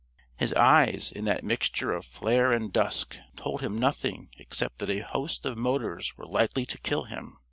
His eyes, in that mixture of flare and dusk, told him nothing except that a host of motors were likely to kill him.